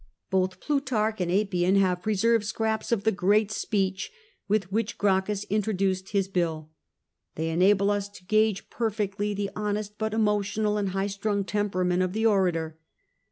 Both Plutarch and Appian have preserved scraps of the great speech with which Gracchus introduced his bill. They enable us to gauge perfectly the honest but emotional and high strung temperament of the orator.